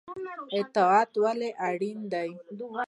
اطاعت ولې اړین دی؟